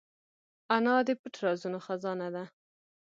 انا د پټ رازونو خزانه ده